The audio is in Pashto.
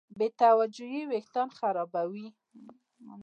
بېتوجهي وېښتيان خرابوي.